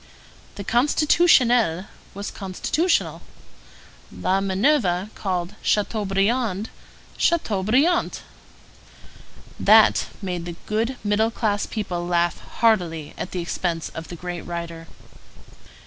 The Constitutionnel was constitutional. La Minerve called Chateaubriand Chateaubriant. That t made the good middle class people laugh heartily at the expense of the great writer.